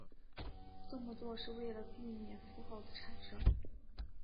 这么做是为了避免负号的产生。